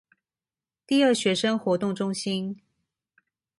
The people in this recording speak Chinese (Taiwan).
第二學生活動中心